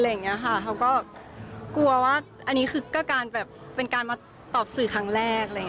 ังกลัวว่าอันนี้เป็นการมาตอบสื่อครั้งแรก